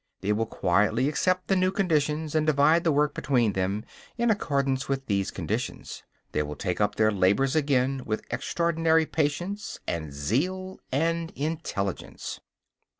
They will quietly accept the new conditions, and divide the work between them in accordance with these conditions; they will take up their labors again with extraordinary patience, and zeal, and intelligence.